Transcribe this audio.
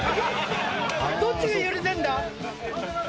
どっちが揺れてんだ？